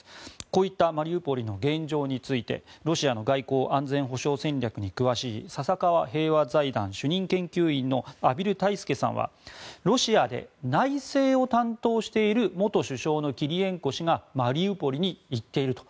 こういったマリウポリの現状についてロシアの外交・安全保障戦略に詳しい笹川平和財団主任研究員の畔蒜泰助さんはロシアで内政を担当している元首相のキリエンコ氏がマリウポリに行っていると。